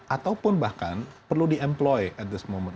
atau bahkan perlu di employ at this moment